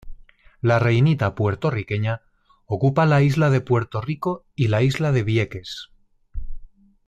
La reinita puertorriqueña ocupa la isla de Puerto Rico y la isla de Vieques.